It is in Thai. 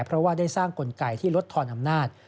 เพราะว่าได้สร้างกลไกที่ลดทอนอำนาจ